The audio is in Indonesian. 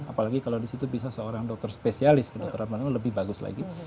apalagi kalau di situ bisa seorang dokter spesialis ke dokter penerbangan itu lebih bagus lagi